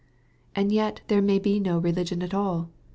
And yet there may be no religion at all.